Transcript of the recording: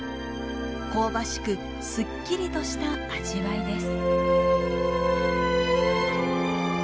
香ばしくすっきりとした味わいです。